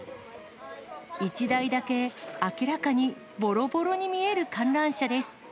１台だけ明らかにぼろぼろに見える観覧車です。